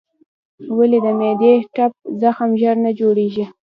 ولې د معدې ټپ زخم ژر نه جوړېږي؟